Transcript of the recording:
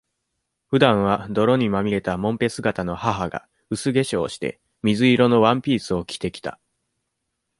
普段は、泥にまみれたもんぺ姿の母が、薄化粧して、水色のワンピースを着て来た。